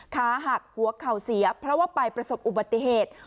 ขาหักหัวเข่าเสียเพราะว่าไปประสบอุบัติเหตุ